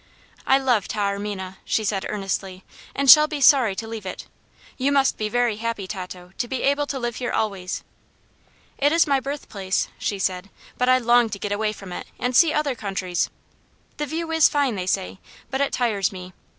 "I love Taormina," she said, earnestly, "and shall be sorry to leave it. You must be very happy, Tato, to be able to live here always." "It is my birthplace," she said; "but I long to get away from it and see other countries. The view is fine, they say; but it tires me.